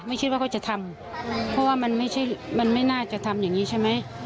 คิดว่าเขาจะทำเพราะว่ามันไม่ใช่มันไม่น่าจะทำอย่างนี้ใช่ไหม